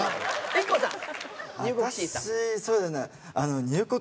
ＩＫＫＯさん。